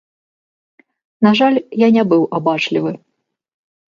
На жаль, я не быў абачлівы.